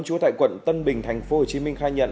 chúa tại quận tân bình tp hcm khai nhận